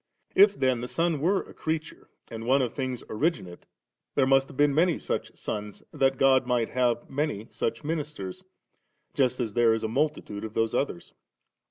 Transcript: If then the Son were a creature and one of things originate, there must have been many such sons, that God might have many such ministers, just as there is a multi tude of those others.